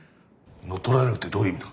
乗っ取られるってどういう意味だ？